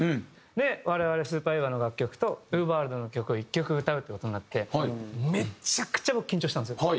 で我々ＳＵＰＥＲＢＥＡＶＥＲの楽曲とＵＶＥＲｗｏｒｌｄの曲を１曲歌うって事になってめちゃくちゃ僕緊張したんですよ。